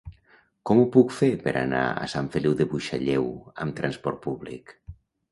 Com ho puc fer per anar a Sant Feliu de Buixalleu amb trasport públic?